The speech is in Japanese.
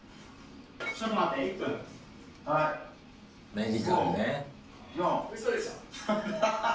メディカルね。